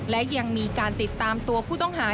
และยังมีการติดตามตัวผู้ต้องหา